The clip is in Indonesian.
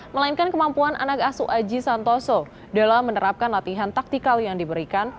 melainkan kemampuan anak asuh aji santoso dalam menerapkan latihan taktikal yang diberikan